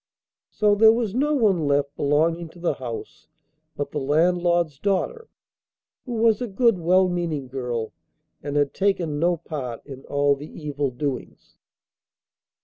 So there was no one left belonging to the house but the landlord's daughter, who was a good, well meaning girl, and had taken no part in all the evil doings.